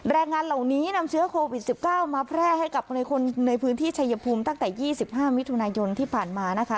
แรงงานเหล่านี้นำเชื้อโควิด๑๙มาแพร่ให้กับคนในพื้นที่ชายภูมิตั้งแต่๒๕มิถุนายนที่ผ่านมานะคะ